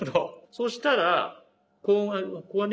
そしたらこうね